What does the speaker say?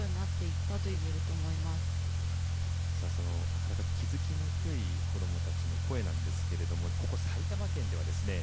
なかなか気づきにくい子どもたちの声なんですけれどもここ埼玉県ではですね